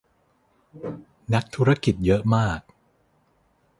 นักธุรกิจเยอะมาก